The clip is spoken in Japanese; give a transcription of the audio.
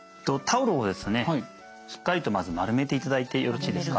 タオルをですねしっかりとまず丸めていただいてよろしいですか。